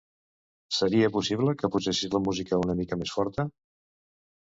Seria possible que posessis la música una mica més forta?